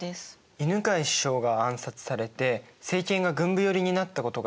犬養首相が暗殺されて政権が軍部寄りになったことが影響してるんだね。